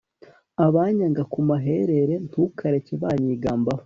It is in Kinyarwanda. abanyanga ku maherere ntukareke banyigambaho,